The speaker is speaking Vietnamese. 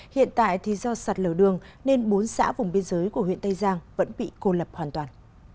hiện tại thì do sạt lở đường nên bốn xã vùng biên giới của huyện tây giang vẫn bị cô lập hoàn toàn